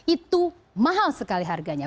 itu mahal sekali harganya